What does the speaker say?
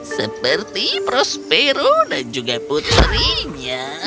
seperti prospero dan juga putrinya